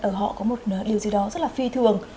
ở họ có một điều gì đó rất là phi thường